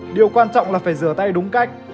điều quan trọng là phải rửa tay đúng cách